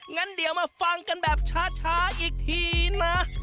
งั้นเดี๋ยวมาฟังกันแบบช้าอีกทีนะ